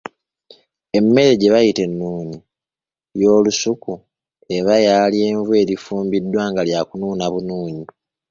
Emmere gye bayita ennuuni y'olusuku eba ya lyenvu erifumbiddwa nga lyakunuuna bunuunyi.